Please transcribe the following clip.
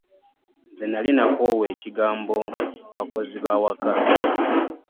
Nze nnali nakoowa ekigambo bakozi ba waka!